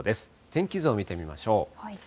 天気図を見てみましょう。